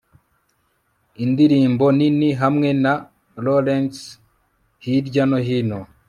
Indirimbo nini hamwe na laurels hirya no hino